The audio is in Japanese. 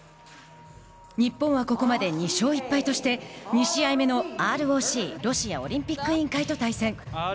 日本はここまで２勝１敗としてＲＯＣ＝ロシアオリンピック委員会と対戦。